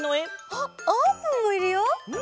あっあーぷんもいるよ！